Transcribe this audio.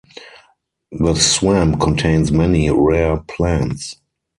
The swamp contains many rare plants.